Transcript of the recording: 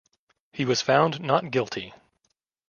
He was found not guilty.